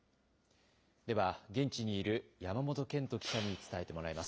では、現地にいる山本健人記者に伝えてもらいます。